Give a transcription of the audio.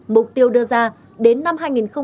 mục tiêu đưa ra đến năm